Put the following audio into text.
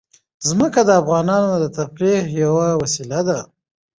ځمکه د افغانانو د تفریح یوه وسیله ده.